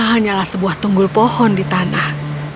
hanyalah sebuah tunggul pohon di tanah